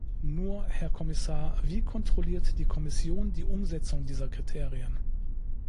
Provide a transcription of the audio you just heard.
Nur, Herr Kommissar, wie kontrolliert die Kommission die Umsetzung dieser Kriterien?